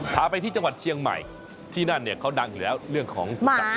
พาไปที่จังหวัดเชียงใหม่ที่นั่นเนี่ยเขาดังอยู่แล้วเรื่องของสัตว์